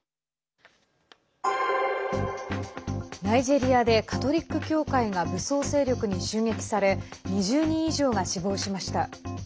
ナイジェリアでカトリック教会が武装勢力に襲撃され２０人以上が死亡しました。